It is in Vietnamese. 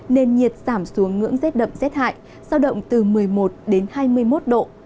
nền nhiệt giảm xuống ngưỡng rét đậm rét hại sao động từ một mươi một đến hai mươi một độ